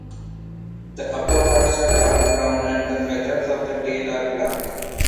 The upperparts are dark brown and the feathers of the tail are black.